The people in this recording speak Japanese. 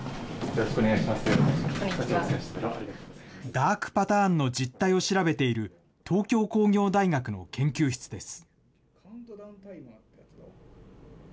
ダークパターンの実態を調べている東京工業大学の研究室です。